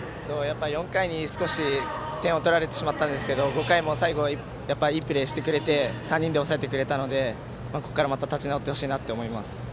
４回に少し点を取られてしまったんですが５回もやっぱりいいプレーをしてくれて３人で抑えてくれたのでここからまた立ち直ってほしいと思います。